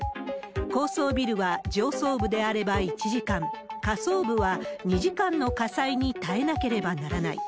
高層ビルは上層部であれば１時間、下層部は２時間の火災に耐えなければならない。